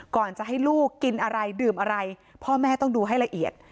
ก่อนจะให้ลูกกินอะไรดื่มอะไรพ่อแม่ต้องดูให้ละเอียด